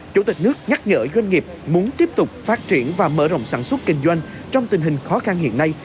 chủ tịch nước nhắc nhở doanh nghiệp muốn tiếp tục phát triển và mở rộng sản xuất kinh doanh trong tình hình khó khăn hiện nay